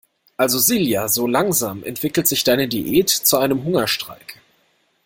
Also Silja, so langsam entwickelt sich deine Diät zu einem Hungerstreik.